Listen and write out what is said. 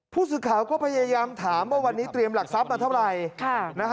ผู้สื่อข่าวก็พยายามถามว่าวันนี้เตรียมหลักทรัพย์มาเท่าไหร่